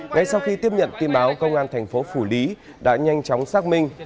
ngay sau khi tiếp nhận tin báo công an thành phố phủ lý đã nhanh chóng xác minh